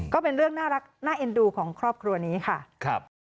ก็เป็นเรื่องน่ารักน่าเอ็นดูของครอบครัวนี้ค่ะ